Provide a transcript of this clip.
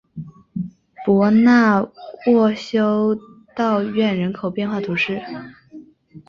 博纳沃修道院人口变化图示